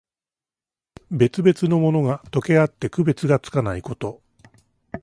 別々のものが、とけあって区別がつかないこと。